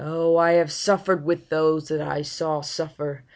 I have suffer'd With those that I saw suffer!